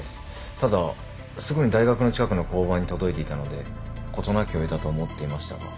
ただすぐに大学の近くの交番に届いていたので事なきを得たと思っていましたが。